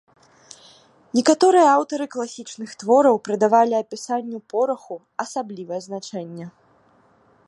Некаторыя аўтары класічных твораў прыдавалі апісанню пораху асаблівае значэнне.